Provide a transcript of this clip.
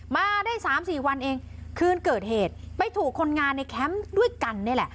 มาได้สามสี่วันเองคืนเกิดเหตุไปถูกคนงานในแคมป์ด้วยกันนี่แหละ